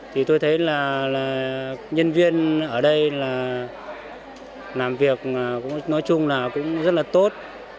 và nhân viên ở đây làm việc nói chung là cũng rất là tốt